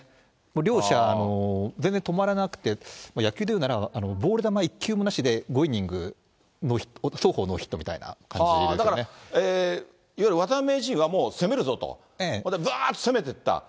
両者も全然止まらなくて、野球でいうならボール球一球もなしで、５イニング双方ノーヒットみたいだから、いわゆる渡辺名人はもう攻めるぞと、それでぶわーっと攻めていった。